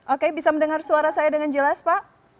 oke bisa mendengar suara saya dengan jelas pak